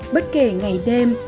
bất kể ngày đêm